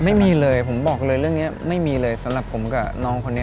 ไม่มีเลยผมบอกเลยเรื่องนี้ไม่มีเลยสำหรับผมกับน้องคนนี้